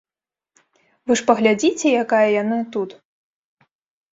Вы ж паглядзіце, якая яна тут.